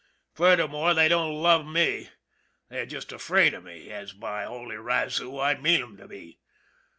Furthermore they don't love me they're just afraid of me as, by the holy razoo, I mean 'em to be.